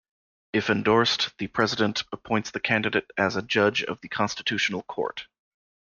If endorsed, the President appoints the candidate as a judge of the Constitutional Court.